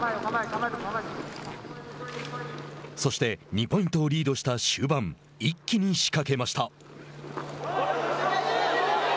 そして２ポイントをリードした終盤一気に仕掛けました。